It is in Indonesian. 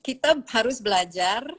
kita harus belajar